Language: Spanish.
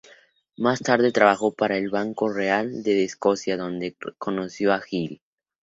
Más tarde trabajó para el Banco Real de Escocia donde conoció a Hill.